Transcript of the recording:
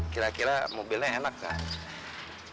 kira kira mobilnya enak gak